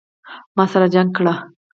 ما سر جګ کړ.